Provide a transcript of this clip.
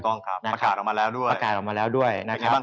ประกาศออกมาแล้วด้วย